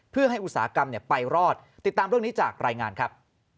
เพื่อให้อุตสาหกรรมไปรอดติดตามเรื่องนี้จากรายงานครับ